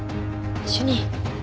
主任。